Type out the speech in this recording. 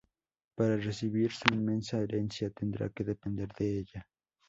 Para recibir su inmensa herencia, tendrá que depender de ella.